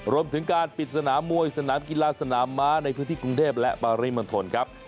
รวมถึงการปิดสนามมวยสนามกีฬาสนามม้าในพื้นที่กรุงเทพและปริมณฑลครับ